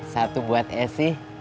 satu buat esi